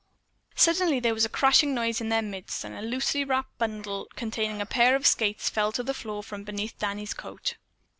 Suddenly there was a crashing noise in their midst, and a loosely wrapped bundle containing a pair of skates fell to the floor from beneath Danny's coat.